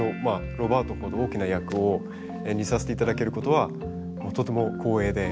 ロバートほど大きな役を演じさせていただけることはとても光栄で。